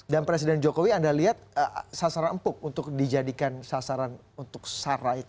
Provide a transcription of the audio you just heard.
dan presiden jokowi anda lihat sasaran empuk untuk dijadikan sasaran untuk sarah itu